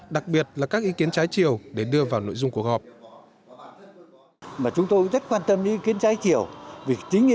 đặc biệt là các ý kiến trái chiều để đưa vào nội dung cuộc họp